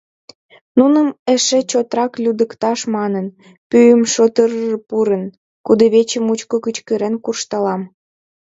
Нуным эше чотрак лӱдыкташ манын, пӱйым шотыр-р пурын, кудывече мучко кычкырен куржталам.